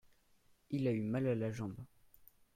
Il a eu mal à la jambe.